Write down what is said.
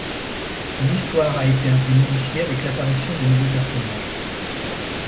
L'histoire a été un peu modifiée avec l'apparition des nouveaux personnages.